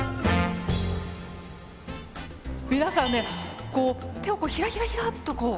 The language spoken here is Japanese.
皆さんねこう手をひらひらひらっとこうされてますよね。